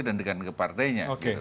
dan dengan partainya